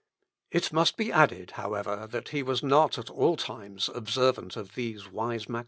It must be added, however, that he was not at all times observant of these wise maxims.